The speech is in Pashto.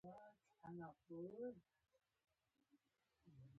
دا د ځمکې د پراخوالي یواځې دوه سلنه برخه جوړوي.